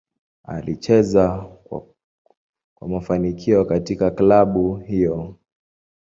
Alicheza kwa kwa mafanikio katika klabu hiyo.